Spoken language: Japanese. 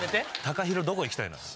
貴弘どこ行きたいの？